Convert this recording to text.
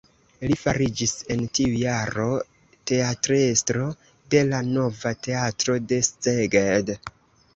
Li fariĝis en tiu jaro teatrestro de la nova teatro de Szeged.